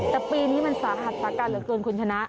แต่ปีนี้มันสาหัสสาการเหลือเกินคุณชนะ